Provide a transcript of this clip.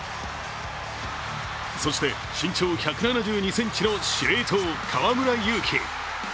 そして、慎重１７２ｃｍの司令塔・河村勇輝。